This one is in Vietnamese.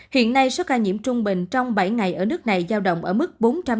hiện nay số ca nhiễm trung bình trong bảy ngày ở nước này giao động ở mức bốn trăm năm mươi năm trăm ba mươi